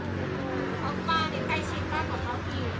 พวกป้าใกล้ชิดมากกว่าเขาที่